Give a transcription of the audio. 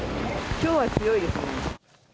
きょうは強いですね。